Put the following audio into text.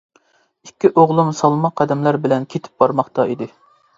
ئىككى ئوغلۇم سالماق قەدەملەر بىلەن كېتىپ بارماقتا ئىدى.